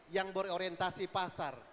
yang berorientasi pasar